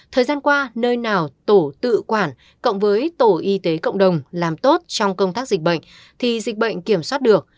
thời gian qua nơi nào tổ tự quản cộng với tổ y tế cộng đồng làm tốt trong công tác dịch bệnh thì dịch bệnh kiểm soát được